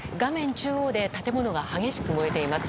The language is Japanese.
中央で建物が激しく燃えています。